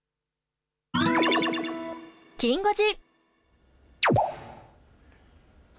きん５時。